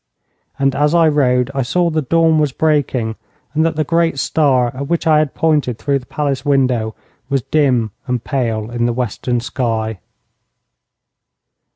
And as I rode I saw that the dawn was breaking, and that the great star at which I had pointed through the palace window was dim and pale in the western sky.